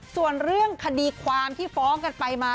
ส่วนเรื่องคดีความที่ฟ้องกันไปมา